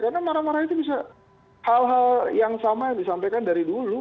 karena marah marah itu bisa hal hal yang sama yang disampaikan dari dulu